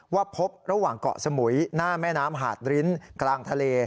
ว่าพบระหว่างเกาะสมุยหน้าแม่น้ำหาดริ้นกลางทะเล